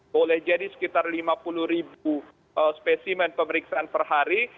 boleh jadi sekitar lima puluh ribu spesimen pemeriksaan per hari